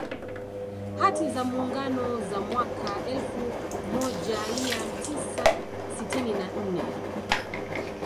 Hati za Muungano za mwaka elfu mojaia Tisa sitini na nne